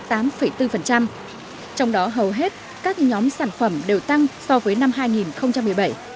trong đó hầu hết các nhóm sản phẩm đều tăng so với năm hai nghìn một mươi bảy